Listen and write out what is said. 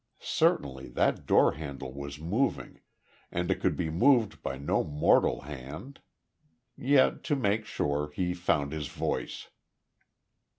Certainly that door handle was moving, and it could be moved by no mortal hand. Yet to make sure, he found his voice.